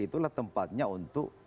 itulah tempatnya untuk